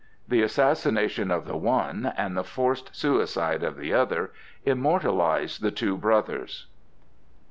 The assassination of the one and the forced suicide of the other immortalized the two brothers.